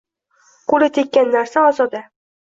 Qo‘li tekkan narsa – ozoda.